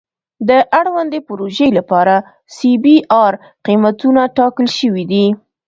د اړوندې پروژې لپاره سی بي ار قیمتونه ټاکل شوي دي